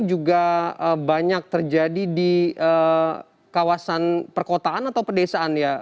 juga banyak terjadi di kawasan perkotaan atau pedesaan ya